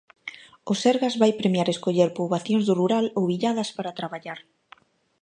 O Sergas vai premiar escoller poboacións do rural ou illadas para traballar.